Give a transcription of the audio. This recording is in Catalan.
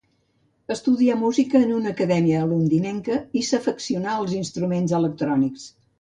Estudià música en una acadèmia londinenca i s'afeccionà als instruments electrònics.